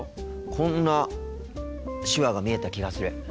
こんな手話が見えた気がする。